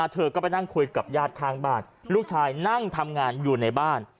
เธอก็ไปนั่งคุยกับญาติข้างบ้านลูกชายนั่งทำงานอยู่ในบ้าน